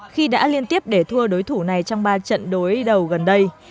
khi đã liên tiếp để thua đối thủ này trong ba trận đối đầu gần đây